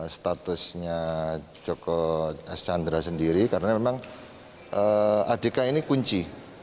statusnya joko chandra sendiri karena memang adk ini kunci